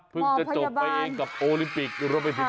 พวกเราขอเสียงพร้อมรู้ให้พี่พี่ทีมประกอบคลายเลยค่ะ